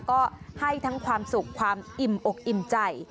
ก็ให้ทั้งความสุขความอิ่มอกอิ่มใจ